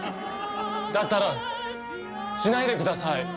だったらしないでください。